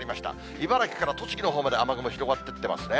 茨城から栃木のほうまで雨雲広がっていってますね。